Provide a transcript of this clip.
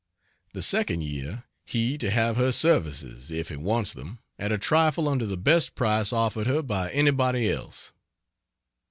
The second year, he to have her services, if he wants them, at a trifle under the best price offered her by anybody else.